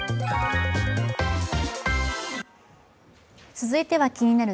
続いては「気になる！